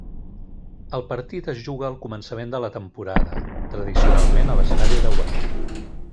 El partit es juga al començament de la temporada, tradicionalment a l'Estadi de Wembley.